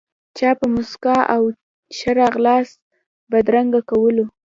چا په موسکا او ښه راغلاست بدرګه کولو.